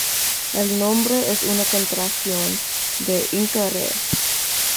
El nombre es una contracción de "Inka Rey".